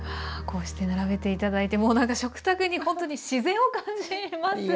こうして並べて頂いてもうなんか食卓に本当に自然を感じますね。